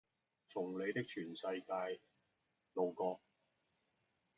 從你的全世界路過